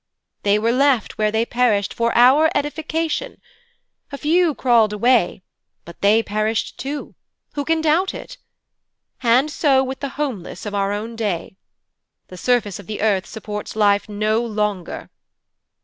'They were left where they perished for our edification. A few crawled away, but they perished, too who can doubt it? And so with the Homeless of our own day. The surface of the earth supports life no longer.'